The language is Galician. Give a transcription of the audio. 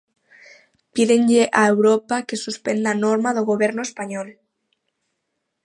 Pídenlle a Europa que suspenda a norma do Goberno español.